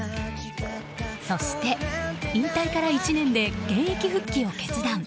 そして引退から１年で現役復帰を決断。